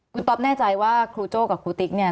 คุณต๊อปแน่ใจว่าครูโจ้กับครูติ๊กเนี่ย